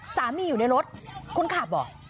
สามีอยู่ในรถคุณขับเหรอ